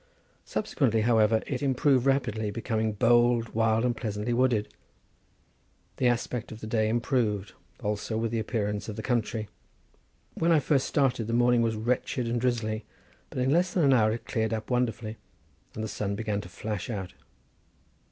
Subsequently, however, it improved rapidly, becoming bold, wild, and pleasantly wooded. The aspect of the day improved, also, with the appearance of the country. When I first started the morning was wretched and drizzly, but in less than an hour it cleared up wonderfully, and the sun began to flash out.